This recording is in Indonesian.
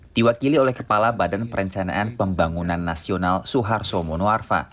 diwakili oleh kepala badan perencanaan pembangunan nasional suharto monoarfa